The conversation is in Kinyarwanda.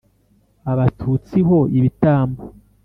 abatutsi ho ibitambo